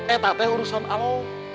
eh tak ada urusan apa